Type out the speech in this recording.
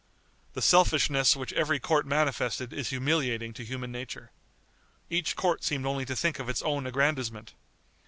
The selfishness which every court manifested is humiliating to human nature. Each court seemed only to think of its own aggrandizement.